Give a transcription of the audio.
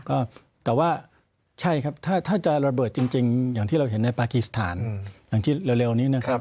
ก็แต่ว่าใช่ครับถ้าจะระเบิดจริงอย่างที่เราเห็นในปากีสถานอย่างที่เร็วนี้นะครับ